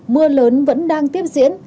mưa lớn vẫn đang tiếp diễn